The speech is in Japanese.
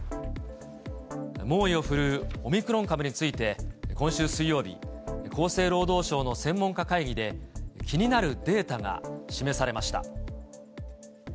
猛威を振るうオミクロン株について、今週水曜日、厚生労働省の専門家会議で、気になるデータが示されました。